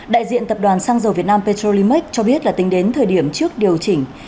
đại diện tập đoàn xăng dầu việt nam petrolimax cho biết là tính đến thời điểm trước điều chỉnh